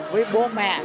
với bố mẹ